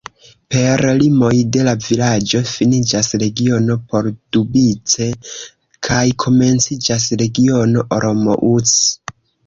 Per limoj de la vilaĝo finiĝas Regiono Pardubice kaj komenciĝas Regiono Olomouc.